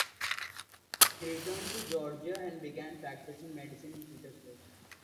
He returned to Georgia and began practicing medicine in Petersburg.